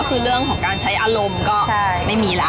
ก็คือเรื่องของการใช้อารมณ์ก็ไม่มีแล้ว